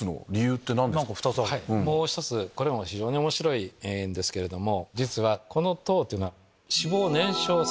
これも非常に面白いんですけれども実はこの糖というのは。